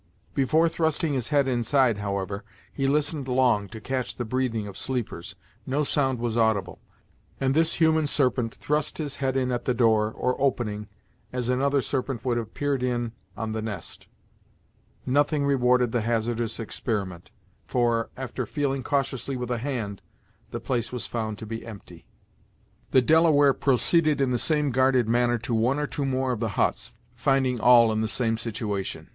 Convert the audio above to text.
Before trusting his head inside, however, he listened long to catch the breathing of sleepers. No sound was audible, and this human Serpent thrust his head in at the door, or opening, as another serpent would have peered in on the nest. Nothing rewarded the hazardous experiment; for, after feeling cautiously with a hand, the place was found to be empty. The Delaware proceeded in the same guarded manner to one or two more of the huts, finding all in the same situation.